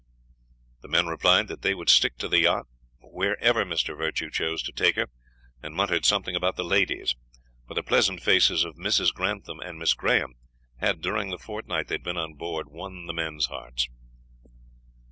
The men replied that they would stick to the yacht wherever Mr. Virtue chose to take her, and muttered something about the ladies, for the pleasant faces of Mrs. Grantham and Miss Graham had, during the fortnight they had been on board, won the men's hearts.